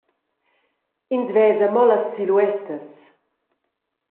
Ins vesa mo las siluettas.